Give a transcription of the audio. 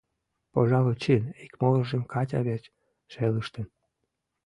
— Пожалуй, чын, ик могыржым Катя верч шелыштын.